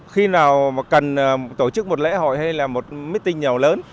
khi nào cần tổ chức một lễ hội hay là một meeting nào lớn